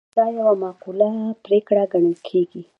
دا یوه معقوله پرېکړه ګڼل کیږي.